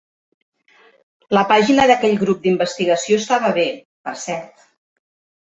La pàgina d'aquell grup d'investigació estava bé, per cert.